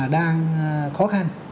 đang khó khăn